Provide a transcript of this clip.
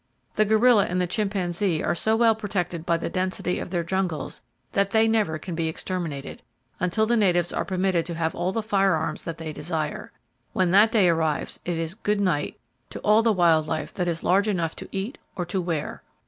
The gorilla and the chimpanzee are so well protected by the density of their jungles that they never can be exterminated—until the natives are permitted to have all the firearms that they desire! When that day arrives, it is "good night" to all the wild life that is large enough to eat or to wear.